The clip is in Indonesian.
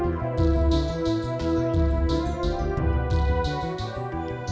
dia masih ada disana